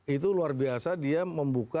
itu luar biasa dia membuka